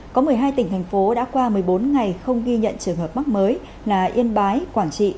có một mươi hai tỉnh thành phố đã qua một mươi bốn ngày không ghi nhận trường hợp mắc mới là yên bái quảng trị